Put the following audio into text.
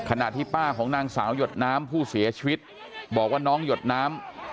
ที่ป้าของนางสาวหยดน้ำผู้เสียชีวิตบอกว่าน้องหยดน้ำ